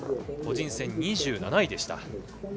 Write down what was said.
個人戦２７位でした。